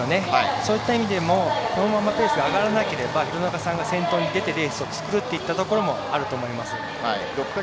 そういった意味でもペースが上がらなければ廣中さんが先頭に出てレースを作るということもあると思います。